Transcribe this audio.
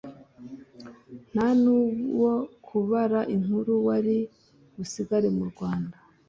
nta n’uwo kubara inkuru wari busigare mu Rwanda